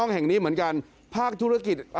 เหมือนกันภาคธุรกิจ